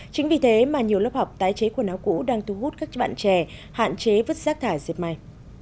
chính vì thế mà nhiều lớp học tái chế quần áo cũ đang thu hút các bạn trẻ hạn chế vứt rác thải diệt may